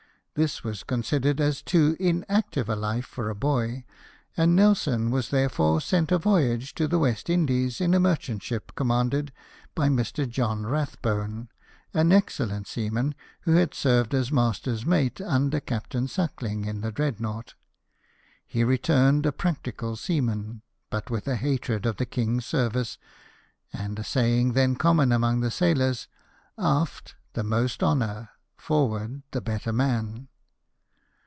This was considered as too inactive a life for a boy, and Nelson was therefore sent a voyage to the West Indies in a merchant ship, commanded by Mr. John Kathbone, an excellent seaman, who had served as master's mate under Captain Suckling in the Dreadnought He returned a practical seaman, but with a hatred of the king's service, and a saying then common among the sailors — "Aft, the most honour; forward, the better man."